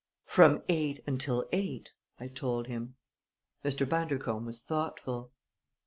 "From eight until eight," I told him. Mr. Bundercombe was thoughtful.